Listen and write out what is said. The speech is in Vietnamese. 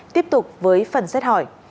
tiếp tục với phần xét hỏi